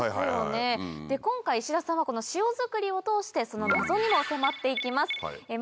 今回石田さんはこの塩づくりを通してその謎にも迫って行きます